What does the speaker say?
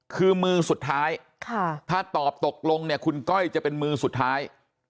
คือมือสุดท้ายถ้าตอบตกลงเนี่ยคุณก้อยจะเป็นมือสุดท้าย